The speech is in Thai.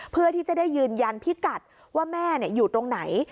เพื่อที่จะได้ยืนยันพิกัดว่าแม่อยู่ตรงไหน